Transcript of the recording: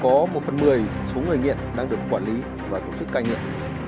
có một phần mười số người nghiện đang được quản lý và tổ chức cai nghiện